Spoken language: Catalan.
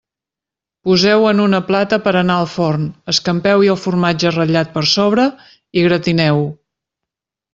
Poseu-ho en una plata per a anar al forn, escampeu-hi el formatge ratllat per sobre i gratineu-ho.